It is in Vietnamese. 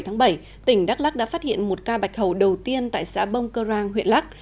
ngày bảy tháng bảy tỉnh đắk lắc đã phát hiện một ca bạch hầu đầu tiên tại xã bông cơ rang huyện lắc